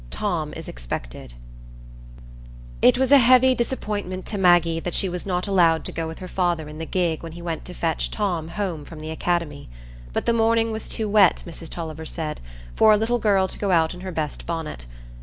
Tom Is Expected It was a heavy disappointment to Maggie that she was not allowed to go with her father in the gig when he went to fetch Tom home from the academy; but the morning was too wet, Mrs Tulliver said, for a little girl to go out in her best bonnet.